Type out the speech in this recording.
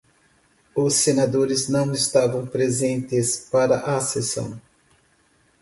Os senadores não estavam presentes para a sessão.